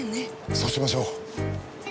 そうしましょう。